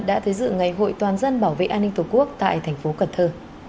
đã thể dựng ngày hội toàn dân bảo vệ an ninh tổ quốc tại tp cần thơ